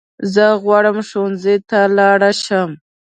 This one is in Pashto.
زه غواړم ښوونځی ته لاړ شم